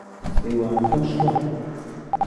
سەیوانەکەم شکا.